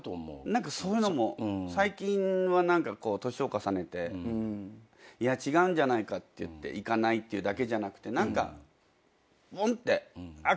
何かそういうのも最近は何かこう年を重ねていや違うんじゃないかっていって行かないっていうだけじゃなくて何かポンってあっ